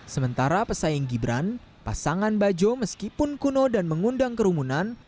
sementara pesaing gibran pasangan bajo meskipun kuno dan mengundang kerumunan